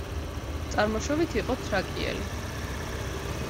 წარმოშობით იყო თრაკიელი.